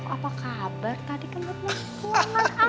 apa kabar tadi kenapa